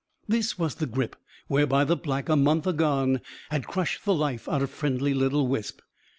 This was the grip whereby the Black, a month agone, had crushed the life out of friendly little Wisp.